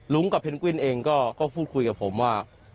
กับเพนกวินเองก็พูดคุยกับผมว่า